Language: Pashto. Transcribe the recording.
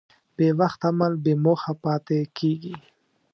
بېوخت عمل بېموخه پاتې کېږي.